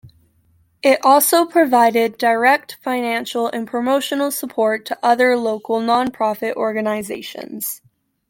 It also provided direct financial and promotional support to other local nonprofit organizations.